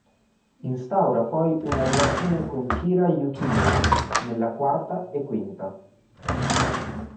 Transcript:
Instaura poi una relazione con Kira Yukimura nella quarta e quinta.